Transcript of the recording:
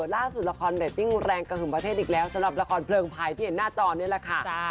ล่าสุดละครเรตติ้งแรงกระสุนประเทศอีกแล้วสำหรับละครเพลิงพายที่เห็นหน้าจอนี่แหละค่ะ